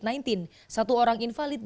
satu orang invalid dan akan dilakukan test